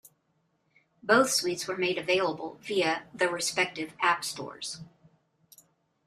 Both suites were made available via the respective App Stores.